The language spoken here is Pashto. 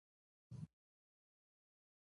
ټولګیوالې به راپسې راتلې او موږ به یو ځای تلو